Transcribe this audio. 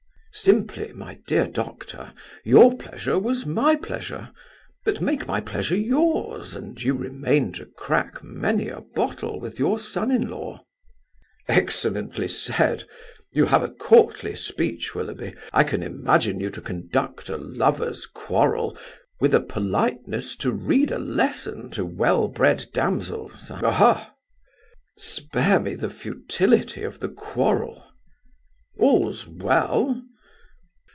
"Simply, my dear doctor, your pleasure was my pleasure; but make my pleasure yours, and you remain to crack many a bottle with your son in law." "Excellently said. You have a courtly speech, Willoughby. I can imagine you to conduct a lovers' quarrel with a politeness to read a lesson to well bred damsels. Aha?" "Spare me the futility of the quarrel." "All's well?"